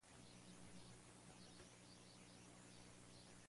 Con luz reflejada su coloración es blanca grisácea.